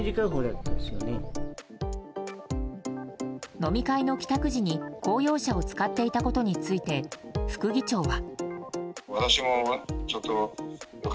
飲み会の帰宅時に公用車を使っていたことについて副議長は。